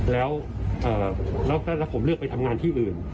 แล้วผมเลือกไปทำงานที่อื่น